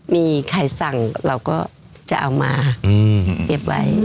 มีใครสั่งเราก็จะเอามาเก็บไว้